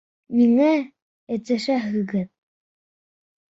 Ниңә этешәһегеҙ?